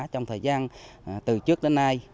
trong thời gian từ trước đến nay